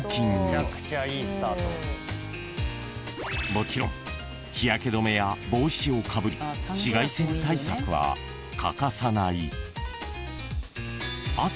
［もちろん日焼け止めや帽子をかぶり紫外線対策は欠かさない］